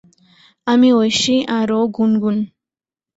আমি ঐশি আর ও গুনগুন।